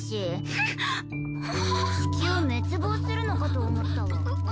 地球滅亡するのかと思ったわ。